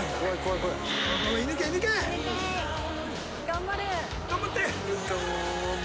頑張って！